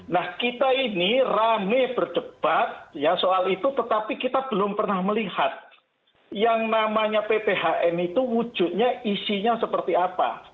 nah kita ini rame berdebat ya soal itu tetapi kita belum pernah melihat yang namanya pphn itu wujudnya isinya seperti apa